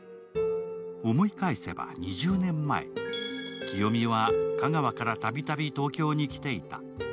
思い返せば、２０年前、清美は香川から、たびたび東京に来ていた。